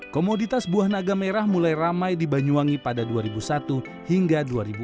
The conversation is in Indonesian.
komoditas buah naga merah mulai ramai di banyuwangi pada dua ribu satu hingga dua ribu empat